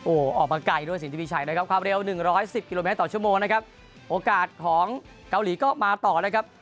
โอ้โหออกมาไกลด้วยสินทีวีชัยนะครับความเร็วหนึ่งร้อยสิบกิโลเมตรต่อชั่วโมงนะครับโอกาสของเกาหลีก็มาต่อนะครับ